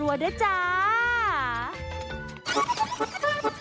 สวัสดีครับ